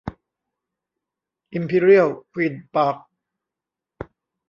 อิมพีเรียลควีนส์ปาร์ค